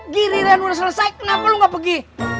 giri giri yang udah selesai kenapa lo gak pergi